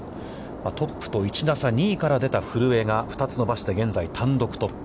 トップと１打差２位から出た古江が２つ伸ばして現在、単独トップ。